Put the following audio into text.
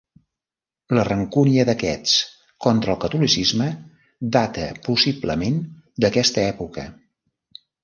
La rancúnia d'aquests contra el catolicisme data possiblement d'aquesta època.